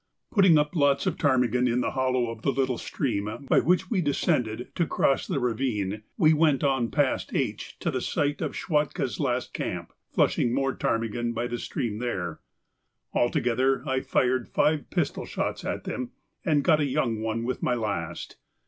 Putting up lots of ptarmigan in the hollow of the little stream by which we descended to cross the ravine, we went on past H to the site of Schwatka's last camp, flushing more ptarmigan by the stream there. Altogether I fired five pistol shots at them, and got a young one with my last.